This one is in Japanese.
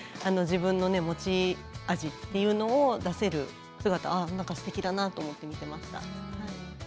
自分の持ち味っていうのを出せる姿すてきだなと思って見ていました。